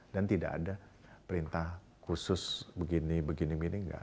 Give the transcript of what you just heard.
dan tidak ada perintah khusus begini begini begini